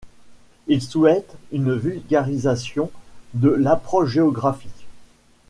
Il souhaite une vulgarisation de l'approche géographique.